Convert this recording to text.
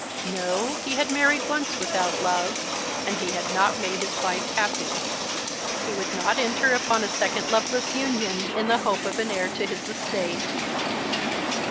No, he had married once Avithout love, and he had not made his wife happy. He would not enter upon a second loveless union in the hope of an heir to his estate.